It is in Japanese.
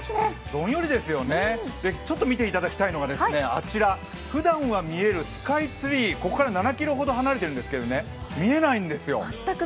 どんよりですね、見ていただきたいのがあちらふだんは見えるスカイツリー、ここから７ｋｍほど離れてるんですけれども、見えないんですよ。